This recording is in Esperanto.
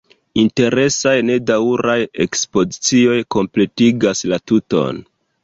Interesaj nedaŭraj ekspozicioj kompletigas la tuton.